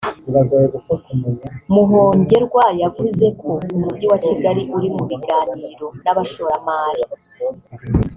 Muhongerwa yavuze ko Umujyi wa Kigali uri mu biganiro n’abashoramari